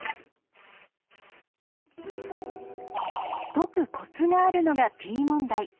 解くコツがあるのがＰ問題。